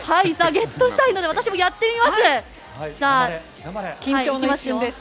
ゲットしたいので私もやってみます。